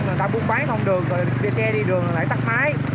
người ta buôn bán không được rồi đi xe đi đường lại tắt máy